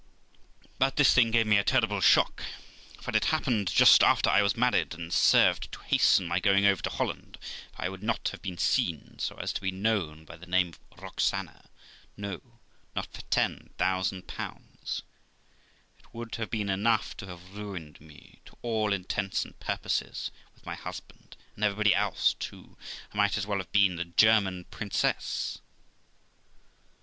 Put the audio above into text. But this thing gave me a terrible shock, for it happened just after I was married, and served to hasten my going over to Holland ; for I would not have been seen, so as to be known by the name of Roxana, no, not for ten thousand pounds; it would have been enough to have ruined me to all intents and purposes with my husband, and everybody else too ; I might as well have been the 'German princess.'